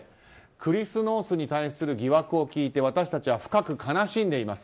クリス・ノースに対する疑惑を聞いて私たちは深く悲しんでいます。